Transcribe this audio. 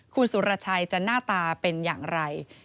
คุณสุรชัยจะหน้าตาเป็นอย่างไร